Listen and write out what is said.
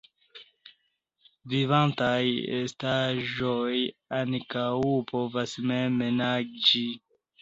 Vivantaj estaĵoj ankaŭ povas mem naĝi.